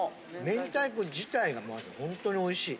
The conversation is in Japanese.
明太子自体がまずほんとにおいしい。